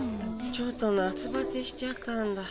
ちょっと夏バテしちゃったんだ。